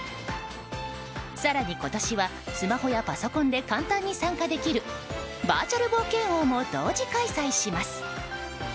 更に、今年はスマホやパソコンで簡単に参加できるバーチャル冒険王も同時開催します。